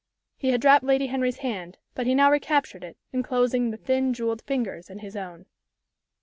He had dropped Lady Henry's hand, but he now recaptured it, enclosing the thin, jewelled fingers in his own.